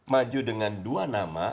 maju dengan dua nama